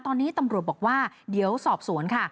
ตอนนี้ตำรวจบอกว่าเดี๋ยวสอบสวนค่ะ